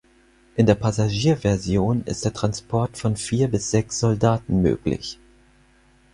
In der Passagierversion ist der Transport von vier bis sechs Soldaten möglich.